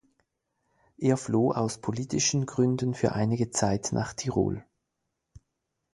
Er floh aus politischen Gründen für einige Zeit nach Tirol.